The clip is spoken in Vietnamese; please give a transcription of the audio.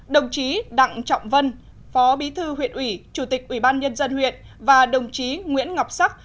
đồng chí đặng trọng vân phó bí thư huyện ủy chủ tịch ubnd huyện và đồng chí nguyễn ngọc sắc